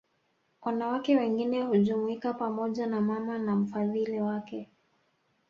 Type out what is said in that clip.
Wanawake wengine hujumuika pamoja na mama na mfadhili wake